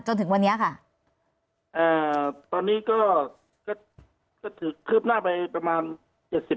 จนถึงวันนี้ค่ะอ่าตอนนี้ก็ก็ถือคืบหน้าไปประมาณเจ็ดสิบ